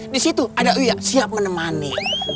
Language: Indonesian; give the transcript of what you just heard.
disitu ada uya siap menemani